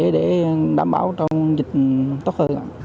đảm bảo trong dịch tốt hơn